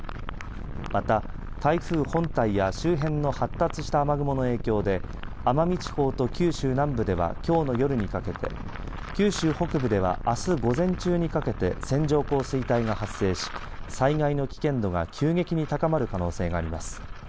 また台風本体や周辺の発達した雨雲の影響で奄美地方と九州南部ではきょうの夜にかけて九州北部ではあす午前中にかけて線状降水帯が発生し災害の危険度が急激に高まる可能性があります。